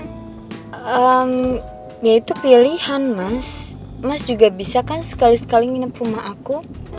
ya itu pilihan mas mas juga bisa kan sekali sekali nginep rumah aku